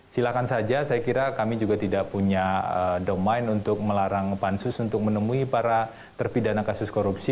silahkan saja saya kira kami juga tidak punya domain untuk melarang pansus untuk menemui para terpidana kasus korupsi